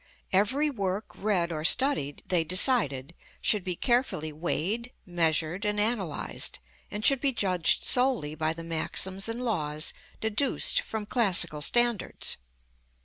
Every work read or studied, they decided, should be carefully weighed, measured and analyzed, and should be judged solely by the maxims and laws deduced from classical standards.